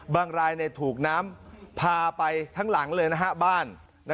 บางรายในถูกน้ำพาไปทั้งหลังเลยนะครับบ้าน